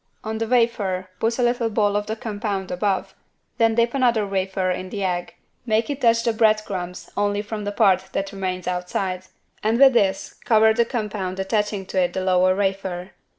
On the wafer put a little ball of the compound above, then dip another wafer in the egg, make it touch the bread crumbs only from the part that remains outside, and with this cover the compound attaching it to the lower wafer.